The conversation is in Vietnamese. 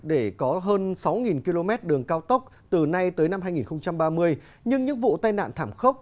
để có hơn sáu km đường cao tốc từ nay tới năm hai nghìn ba mươi nhưng những vụ tai nạn thảm khốc